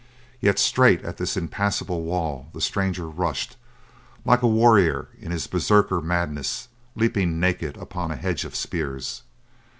Yet straight at this impassable wall the stranger rushed, like a warrior in his Berserker madness leaping naked upon a hedge of spears.